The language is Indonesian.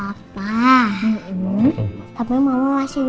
tapi mama masih belum sakit